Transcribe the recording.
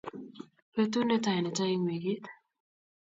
betut ne tai nito eng' wikit